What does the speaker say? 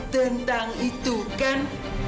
tentang itu kan